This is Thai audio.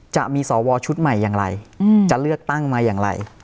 จะมีสวชุดใหม่อย่างไรจะเลือกตั้งมาอย่างไร